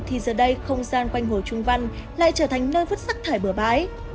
thì giờ đây không gian quanh hồ trung văn lại trở thành nơi vứt rác thải bửa bãi